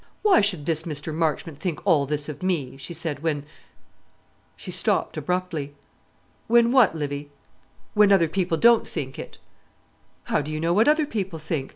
"Why should this Mr. Marchmont think all this of me?" she said, "when " she stopped abruptly. "When what, Livy?" "When other people don't think it." "How do you know what other people think?